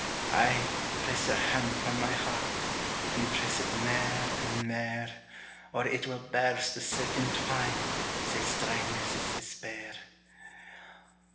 Ay, press your hand upon my heart, And press it mair and mair, Or it will burst the silken twine, Sae strang is its despair.